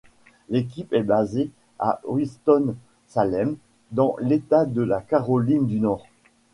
L'équipe est basée à Winston-Salem dans l'État de la Caroline du Nord.